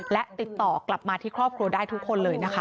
และติดต่อกลับมาที่ครอบครัวได้ทุกคนเลยนะคะ